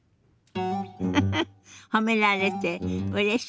フフッ褒められてうれしそうね。